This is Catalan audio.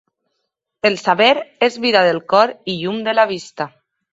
El saber és vida del cor i llum de la vista.